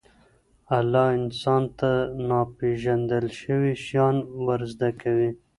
الله انسان ته ناپېژندل شوي شیان ورزده کوي.